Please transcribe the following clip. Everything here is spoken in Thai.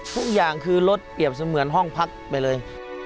ทุกอย่างคือรถเปรียบเสมือนห้องพักไปเลย